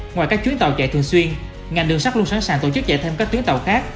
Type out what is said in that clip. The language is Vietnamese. ngoài các chuyến tàu chạy thường xuyên ngành đường sắt luôn sẵn sàng tổ chức chạy thêm các tuyến tàu khác